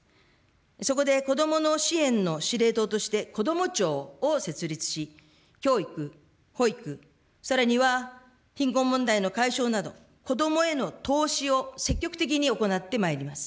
そこで子どもの支援の司令塔として、こども庁を設立し、教育、保育、さらには貧困問題の解消など、子どもへの投資を積極的に行ってまいります。